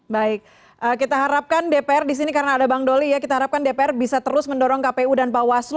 baik kita harapkan dpr disini karena ada bang doli ya kita harapkan dpr bisa terus mendorong kpu dan bawaslu